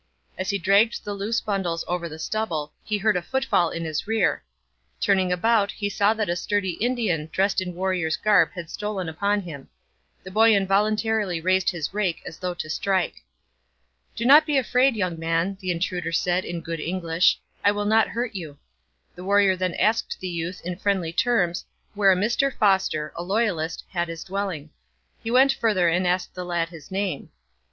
As he dragged the loose bundles over the stubble, he heard a footfall in his rear. Turning about he saw that a sturdy Indian dressed in warrior's garb had stolen upon him. The boy involuntarily raised his rake as though to strike. 'Do not be afraid, young man,' the intruder said in good English; 'I will not hurt you.' The warrior then asked the youth in friendly terms where a Mr Foster, a loyalist, had his dwelling. He went further and asked the lad his name.